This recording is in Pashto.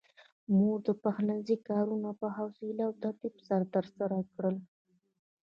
مور د پخلنځي کارونه په حوصله او ترتيب سره ترسره کړل.